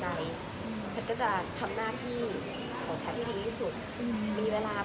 ให้เขามาทำหน้าที่แพทย์ก็ทักไลน์หาเขา